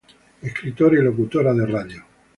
Escritora y locutora de radio.